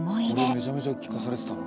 これめちゃめちゃ聴かされてたな。